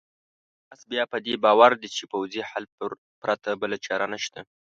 حماس بیا په دې باور دی چې پوځي حل پرته بله چاره نشته.